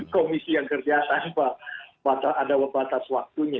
komisi yang kerja tanpa ada batas waktunya